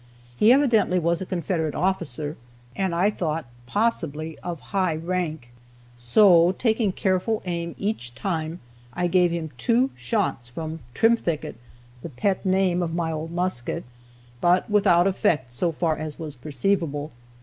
He evidently was a Confederate officer, and I thought possibly of high rank; so, taking careful aim each time, I gave him two shots from "Trimthicket," (the pet name of my old musket,) but without effect, so far as was perceivable.